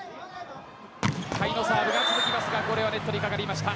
甲斐のサーブが続きますがネットにかかりました。